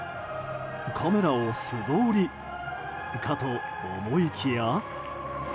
カメラを素通りかと思いきや。